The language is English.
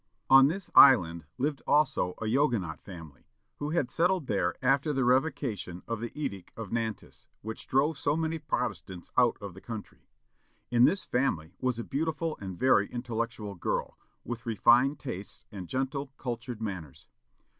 On this island lived also a Huguenot family, who had settled there after the revocation of the Edict of Nantes, which drove so many Protestants out of the country. In this family was a beautiful and very intellectual girl, with refined tastes and gentle, cultured manners.